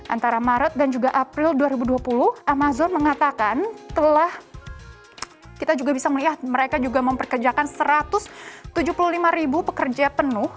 antara maret dan juga april dua ribu dua puluh amazon mengatakan telah kita juga bisa melihat mereka juga memperkerjakan satu ratus tujuh puluh lima ribu pekerja penuh